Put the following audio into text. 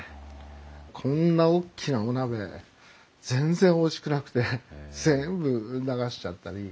こんな大きなお鍋全然おいしくなくて全部流しちゃったり。